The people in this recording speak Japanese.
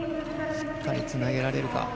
しっかりつなげられるか。